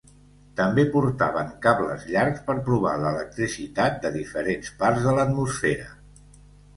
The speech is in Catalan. També portaven cables llargs per provar l'electricitat de diferents parts de l'atmosfera.